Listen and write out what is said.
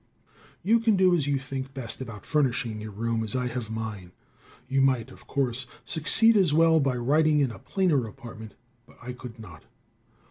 You can do as you think best about furnishing your room as I have mine. You might, of course, succeed as well by writing in a plainer apartment, but I could not.